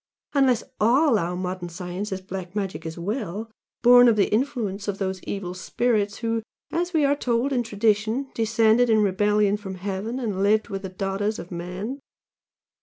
unless all our modern science is 'black magic' as well, born of the influence of those evil spirits who, as we are told in tradition, descended in rebellion from heaven and lived with the daughters of men!